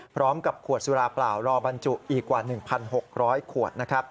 พร้อมกับขวดสุราเปล่ารอบรรจุอีกกว่า๑๖๐๐ขวดนะครับ